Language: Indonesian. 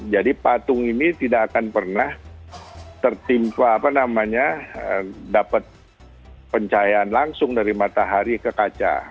jadi patung ini tidak akan pernah tertimpa apa namanya dapat pencahayaan langsung dari matahari ke kaca